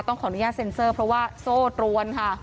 ขออนุญาตเซ็นเซอร์เพราะว่าโซ่ตรวนค่ะ